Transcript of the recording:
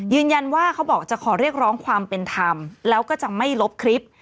เขาบอกจะขอเรียกร้องความเป็นธรรมแล้วก็จะไม่ลบคลิป